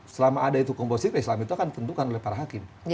selama ada hukuman positif islam itu akan tentukan oleh para hakim